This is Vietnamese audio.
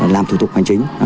làm thủ tục hành chính